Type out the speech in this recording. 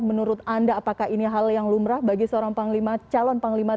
menurut anda apakah ini hal yang lumrah bagi seorang calon panglima tni